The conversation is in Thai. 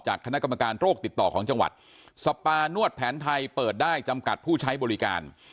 คณะกรรมการโรคติดต่อของจังหวัดสปานวดแผนไทยเปิดได้จำกัดผู้ใช้บริการ